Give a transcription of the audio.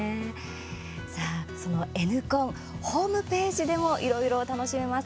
さあ、その「Ｎコン」ホームページでもいろいろ楽しめます。